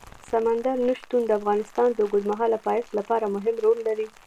سمندر نه شتون د افغانستان د اوږدمهاله پایښت لپاره مهم رول لري.